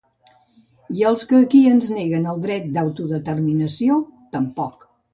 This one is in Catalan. I els que aquí ens neguen el dret d’autodeterminació tampoc.